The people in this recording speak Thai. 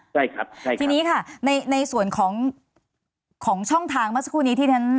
ใช่ครับทีนี้ค่ะในส่วนของของช่องทางเมื่อสักครู่นี้ที่ฉัน